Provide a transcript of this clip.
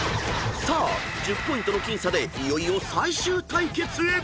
［さあ１０ポイントの僅差でいよいよ最終対決へ！］